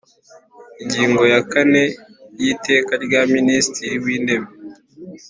Ingingo ya kane y Iteka rya Minisitiri w Intebe